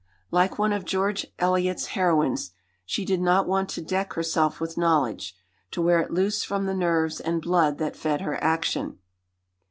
Like one of George Eliot's heroines, "she did not want to deck herself with knowledge to wear it loose from the nerves and blood that fed her action."